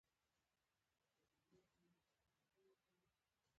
• د غاښونو قوي کول د سالم ژوند نښه ده.